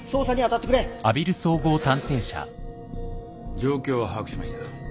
状況は把握しました。